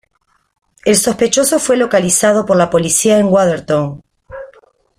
El sospechoso fue localizado por la policía en Watertown.